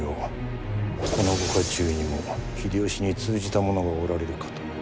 このご家中にも秀吉に通じた者がおられるかと。